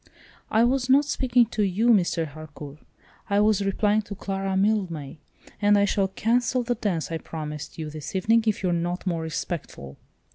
"I was not speaking to you, Mr. Harcourt. I was replying to Clara Mildmay, and I shall cancel that dance I promised you this evening if you're not more respectful."